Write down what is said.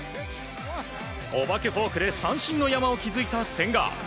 お化けフォークで三振の山を築いた千賀。